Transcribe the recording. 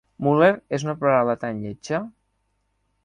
Muller és una paraula tan lletja!